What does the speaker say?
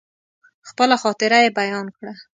خپله خاطره يې بيان کړه.